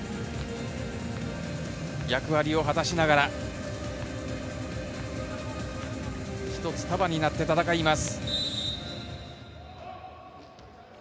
役割は果たしながら、一つ束になって戦います。